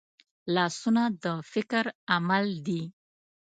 لاسونه د فکر عمل دي